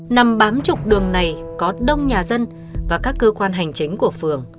nằm bám trục đường này có đông nhà dân và các cơ quan hành chính của phường